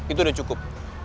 itu udah cukup